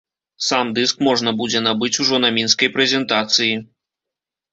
Сам дыск можна будзе набыць ужо на мінскай прэзентацыі.